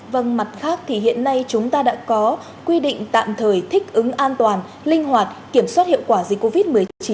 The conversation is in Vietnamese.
vâng mặt khác thì hiện nay chúng ta đã có quy định tạm thời thích ứng an toàn linh hoạt kiểm soát hiệu quả dịch covid một mươi chín